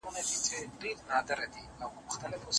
هره چار د پښتانه تر مغل ښه ده